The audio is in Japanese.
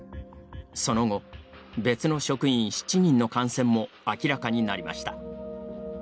その後、別の職員７人の感染も明らかになりました。